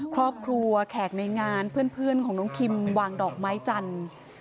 ครอบครัวแขกในงานเพื่อนของน้องคิมวางดอกไม้จันทร์